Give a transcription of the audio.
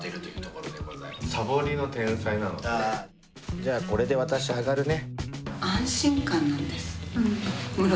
じゃあこれで私上がるね。